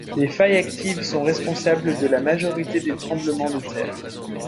Les failles actives sont responsables de la majorité des tremblements de terre.